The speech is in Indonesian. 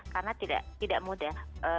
karena tidak mudah